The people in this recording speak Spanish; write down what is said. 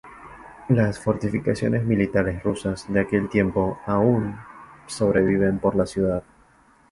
Las fortificaciones militares rusas de aquel tiempo aún sobreviven por la ciudad.